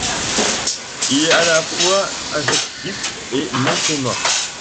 Il est à la fois adjectif et nom commun.